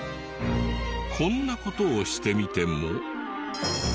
こんな事をしてみても。